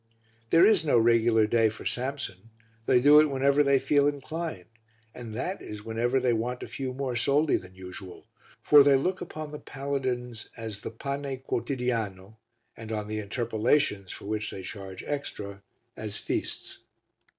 There is no regular day for Samson; they do it whenever they feel inclined, that is whenever they want a few more soldi than usual, for they look upon the paladins as the pane quotidiano and on the interpolations, for which they charge extra, as feasts.